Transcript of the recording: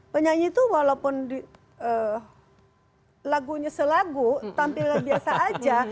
penyanyi itu walaupun lagunya selagu tampil biasa aja